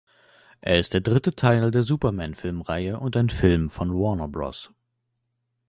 Er ist der dritte Teil der "Superman-Filmreihe" und ein Film von Warner Bros.